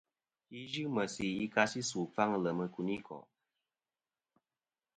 Yi yɨ meysi yi ka si ɨsu ɨkfaŋ ɨ lem ikuniko'.